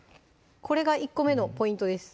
これが１個目のポイントです